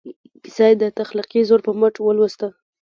کیسه یې د تخلیقي زور په مټ ولوسته.